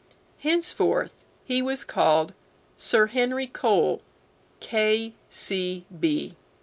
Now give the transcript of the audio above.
Henceforth he was called Sir Henry Cole, K. C.